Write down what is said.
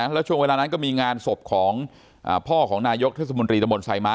แล้วช่วงเวลานั้นก็มีงานศพของพ่อของนายกเทศมนตรีตะบนไซม้า